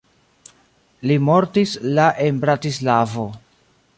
Li mortis la en Bratislavo.